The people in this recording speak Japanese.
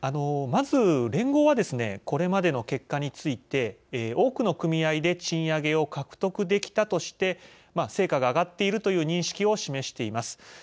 まず、連合はこれまでの結果について「多くの組合で賃上げを獲得できた」として成果が上がっているという認識を示しています。